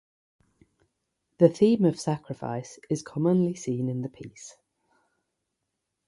The theme of sacrifice is commonly seen in the piece.